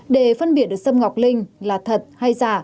để phân biệt được sâm ngọc linh là thật hay giả